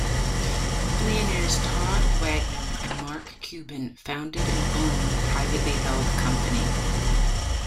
Billionaires Todd Wagner and Mark Cuban founded and own the privately held company.